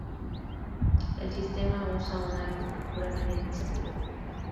El sistema usa una arquitectura cliente-servidor.